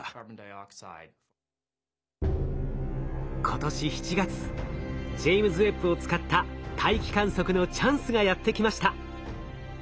今年７月ジェイムズ・ウェッブを使った大気観測のチャンスがやってきました。